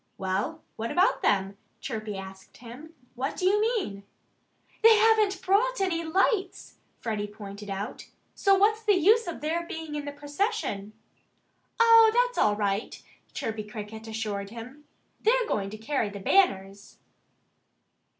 "Well, what about them?" Chirpy asked him. "What do you mean?" "They haven't brought any lights," Freddie pointed out. "So what's the use of their being in the procession?" "Oh, that's all right!" Chirpy Cricket assured him. "They're going to carry the banners."